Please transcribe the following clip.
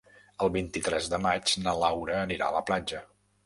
El vint-i-tres de maig na Laura anirà a la platja.